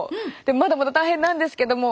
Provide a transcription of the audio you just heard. まだまだ大変なんですけども。